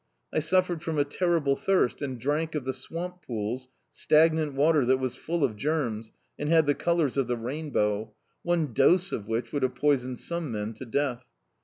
I suffered from a terrible thirst, and drank of the swamp pools, stagnant water that was full of germs, and had the colours of the rainbow, one dose of which would have poisoned some men to death.